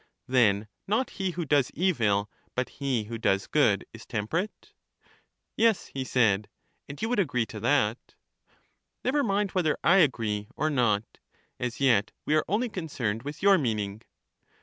Then not he who does evil, but he who does good» is temperate? Yes, he said; and you would agree to that. CHARMIDES 28 Never mind whether I agree or not; as yet we are only concerned with your meaning.